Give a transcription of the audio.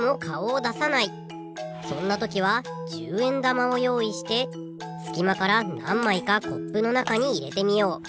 そんなときは１０円玉をよういしてすきまからなんまいかコップのなかにいれてみよう。